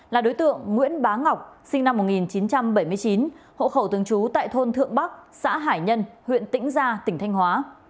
là đối tượng nguyễn bá ngọc sinh năm một nghìn chín trăm bảy mươi chín hộ khẩu thường trú tại thôn thượng bắc xã hải nhân huyện tĩnh gia tỉnh thanh hóa